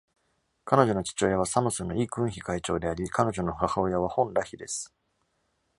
彼女の父親はサムスンのイ・クンヒ会長であり、彼女の母親はホン・ラヒです。